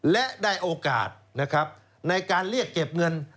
และได้โอกาสในการเรียกเก็บเงิน